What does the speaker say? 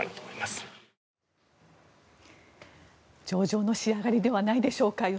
上々の仕上がりではないでしょうか。